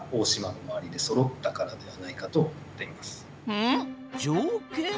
うん？条件？